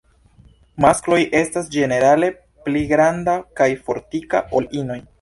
Maskloj estas ĝenerale pli granda kaj fortika ol inoj.